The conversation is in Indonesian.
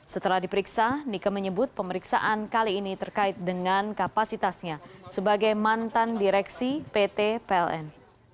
setelah diperiksa nike menyebut pemeriksaan kali ini terkait dengan kapasitasnya sebagai mantan direksi pt pln